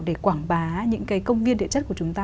để khám phá những cái công viên địa chất của chúng ta